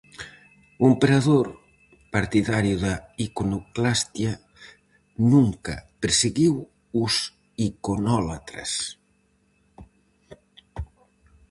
O emperador, partidario da iconoclastia, nunca perseguiu os iconólatras.